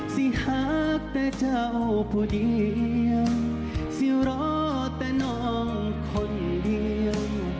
สิหากแต่เจ้าผู้เดียวสิรอแต่น้องคนเดียว